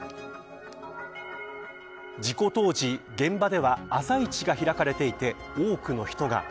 事故当時現場では朝市が開かれていて多くの人が。